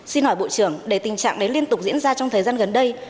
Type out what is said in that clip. xin hỏi bộ trưởng để tình trạng đấy liên tục diễn ra trong thời gian gần đây